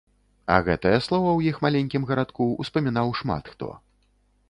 А гэтае слова ў іх маленькім гарадку ўспамінаў шмат хто.